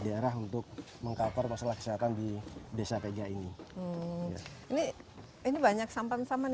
daerah untuk mengkawal masalah kesehatan di desa peja ini ini ini banyak sampan sampan